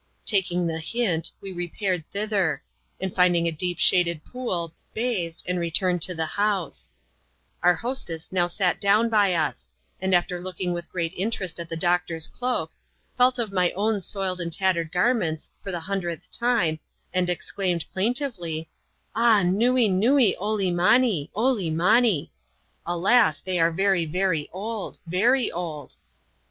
Taking the hint, we repaired thither ; and finding a deep shaded pool, bathed, and returned to the house. Our hostess now sat down by us; and after looking with great interest at the doctor's cloak, felt of my own soiled and tattered garments for the ^lundredth time> and exdsiiOL&^L ^Mntively ^^^ Ah nuee CHAP. Lxxm.] OUR RECEPTION IN PARTOOWYE. 288 nuee oleemanee! oleemanee!" (Alas! thej are very, very old ! very old